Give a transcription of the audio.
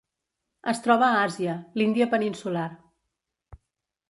Es troba a Àsia: l'Índia peninsular.